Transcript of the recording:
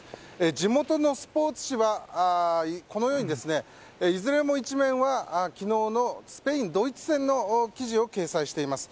地元のスポーツ紙は、このようにいずれも１面は昨日のスペイン、ドイツ戦の記事を掲載しています。